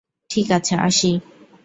ঠিক আছে, আসি।